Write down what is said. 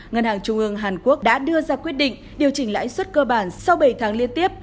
ngân hàng trung ương hàn quốc đã đưa ra quyết định điều chỉnh lãi suất cơ bản sau bảy tháng liên tiếp